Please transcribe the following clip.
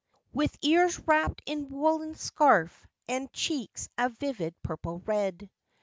With ears wrapped in a woollen scarf and cheeks a vivid purple red.